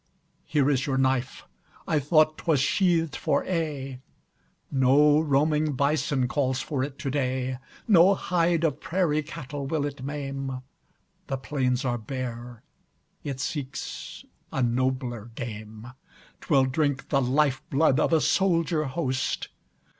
Here is your knife! I thought 'twas sheathed for aye. No roaming bison calls for it to day; No hide of prairie cattle will it maim; The plains are bare, it seeks a nobler game: 'Twill drink the life blood of a soldier host.